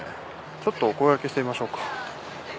ちょっとお声がけしてみましょうか。